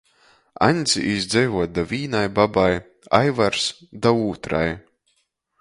Aņds īs dzeivuot da vīnai babai, Aivars — da ūtrai.